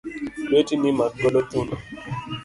Lwetini makgodo thuno